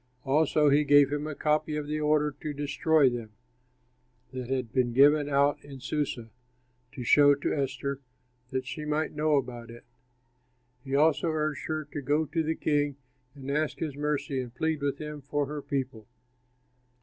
Also he gave him a copy of the order to destroy them, that had been given out in Susa, to show to Esther that she might know about it. He also urged her to go to the king and ask his mercy and plead with him for her people.